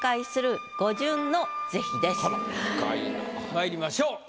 まいりましょう。